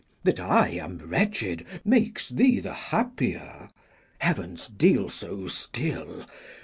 That I am wretched Makes thee the happier. Heavens, deal so still!